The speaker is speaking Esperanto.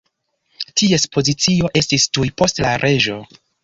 Ties pozicio estis tuj post la reĝo.